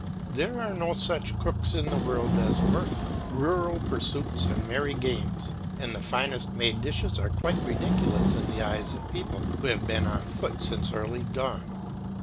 There are no such cooks in the world as mirth, rural pursuits, and merry games; and the finest made dishes are quite ridiculous in the eyes of people who have been on foot since early dawn.